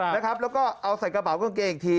แล้วก็เอาใส่กระเป๋ากางเกงอีกที